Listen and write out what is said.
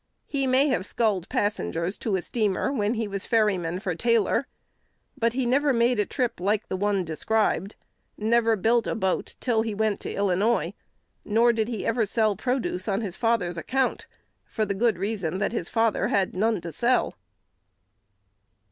He may have sculled passengers to a steamer when he was ferryman for Taylor, but he never made a trip like the one described; never built a boat until he went to Illinois; nor did he ever sell produce on his father's account, for the good reason that his father had none to sell.